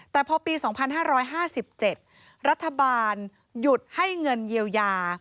แต่พอปี๒๕๕๗รัฐบาลหยุดให้เงินเยียวยา